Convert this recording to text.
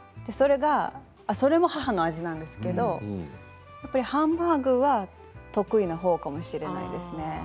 それも母の味なんですけどハンバーグは得意な方かもしれないですね。